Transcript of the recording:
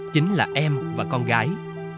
chính là em và con gái